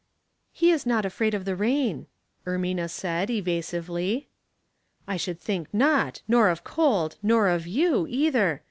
He is not afraid of the rain," Ermina said, evasively. " I should think not, nor of cold, nor of you, either.